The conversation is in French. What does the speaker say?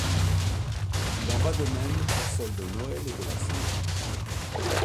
Il en va de même pour celles de Noël et de la Saint-Jean.